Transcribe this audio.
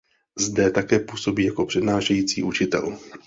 Zde také působí jako přednášející učitel.